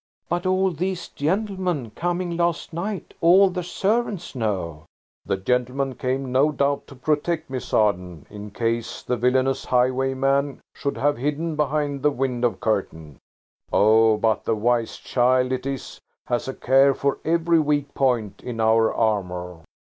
"But all these gentlemen coming last night. All the servants know." "The gentlemen came, no doubt, to protect Miss Arden, in case the villainous highwayman should have hidden behind the window curtain. Oh, but the wise child it is–has a care for every weak point in our armour!"